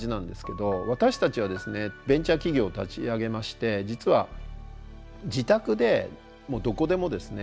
私たちはですねベンチャー企業を立ち上げまして実は自宅でもどこでもですね